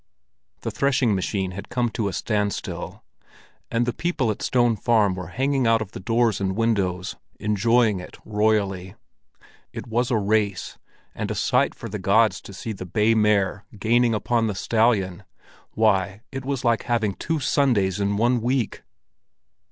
The threshing machine had come to a standstill, and the people at Stone Farm were hanging out of the doors and windows, enjoying it royally. It was a race, and a sight for the gods to see the bay mare gaining upon the stallion; why, it was like having two Sundays in one week!